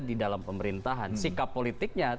di dalam pemerintahan sikap politiknya